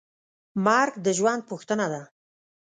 مرګ د ژوند پوښتنه ده.